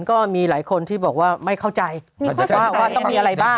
ก็มีหลายคนที่บอกว่าไม่เข้าใจว่าต้องมีอะไรบ้าง